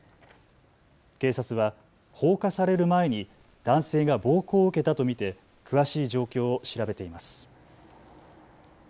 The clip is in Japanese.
警察は放火される前に男性が暴行を受けたと見て詳しい状況を調べています。